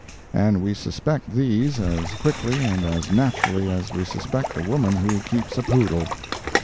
And we suspect these, as quickly and as naturally as we suspect a woman who keeps a poodle.